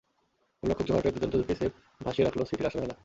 গোলরক্ষক জো হার্টের দুর্দান্ত দুটি সেভ ভাসিয়ে রাখল সিটির আশার ভেলা।